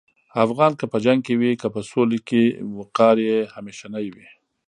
افغان که په جنګ کې وي که په سولې کې، وقار یې همیشنی وي.